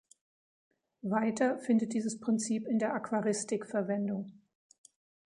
Weiter findet dieses Prinzip in der Aquaristik Verwendung.